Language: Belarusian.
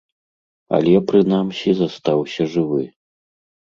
Але, прынамсі, застаўся жывы.